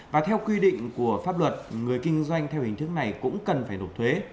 và theo quy định của pháp luật người kinh doanh theo hình thức này cũng cần phải nộp thuế